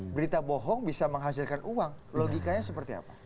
berita bohong bisa menghasilkan uang logikanya seperti apa